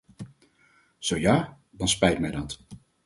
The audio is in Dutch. Zo ja, dan spijt mij dat.